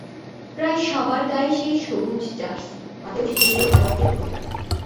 প্রায় সবার গায়ে সেই সবুজ জার্সি, হাতেও সেই প্রিয় খেলোয়াড়দের পোস্টার।